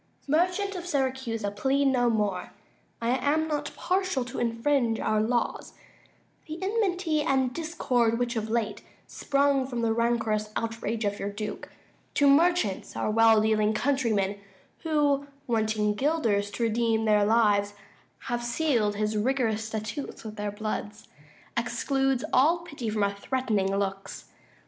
Duke. Merchant of Syracusa, plead no more; I am not partial to infringe our laws: The enmity and discord which of late 5 Sprung from the rancorous outrage of your duke To merchants, our well dealing countrymen, Who, wanting guilders to redeem their lives, Have seal'd his rigorous statutes with their bloods, Excludes all pity from our threatening looks.